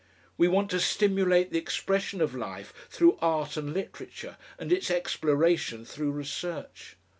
We want to stimulate the expression of life through art and literature, and its exploration through research.